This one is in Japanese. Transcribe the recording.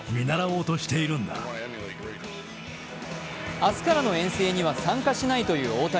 明日からの遠征には参加しないという大谷。